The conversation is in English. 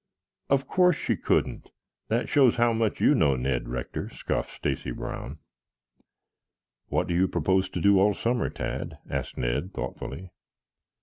"Of course she couldn't. That shows how much you know, Ned Rector," scoffed Stacy Brown. "What do you propose to do all summer, Tad?" asked Ned thoughtfully.